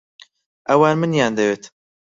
ئەوان منیان دەوێت.